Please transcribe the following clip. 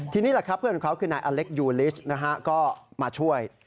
ทีนี้เพื่อนของเขาคือนายอเล็กยูลิชมาช่วย